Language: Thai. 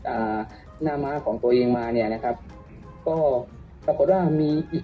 อ่าหน้าม้าของตัวเองมาเนี้ยนะครับก็ปรากฏว่ามีอีก